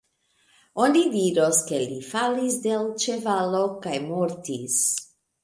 Oni diros, ke li falis de l' ĉevalo kaj mortis.